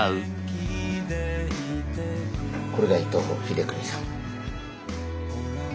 これが伊藤英邦さん。